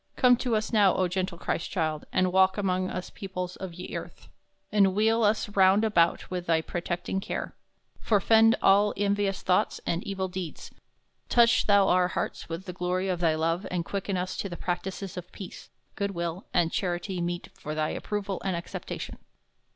Come to us now, O gentle Chrystchilde, and walke among us peoples of ye earth; enwheel us round about with thy protecting care; forefend all envious thoughts and evil deeds; toche thou our hearts with the glory of thy love, and quicken us to practices of peace, good will, and charity meet for thy approval and acceptation.